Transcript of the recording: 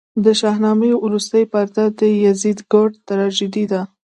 د شاهنامې وروستۍ پرده د یزدګُرد تراژیدي ده.